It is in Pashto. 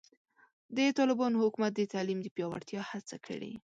د طالبانو حکومت د تعلیم د پیاوړتیا هڅه کړې.